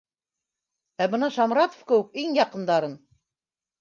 Ә бына Шамратов кеүек иң яҡындарын